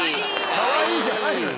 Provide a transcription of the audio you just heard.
「かわいい」じゃないのよ。